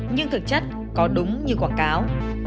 nhưng thực chất có đúng như quảng cáo